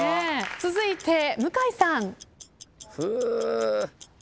続いて向井さん。